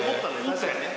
確かにね。